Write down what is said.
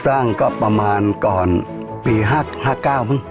สร้างก็ประมาณก่อนปี๕๙มึง